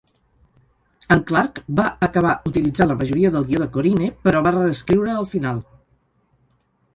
En Clark va acabar utilitzant la majoria del guió de Korine, però va reescriure el final.